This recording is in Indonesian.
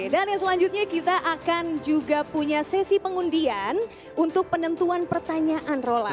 dan yang selanjutnya kita akan juga punya sesi pengundian untuk penentuan pertanyaan roland